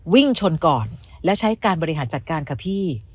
วิ่งชนก่อนแล้วใช้การบริหารจัดการค่ะพี่